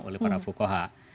oleh para fukoha